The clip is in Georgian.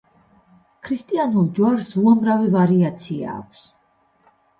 ქრისტიანულ ჯვარს უამრავი ვარიაცია აქვს.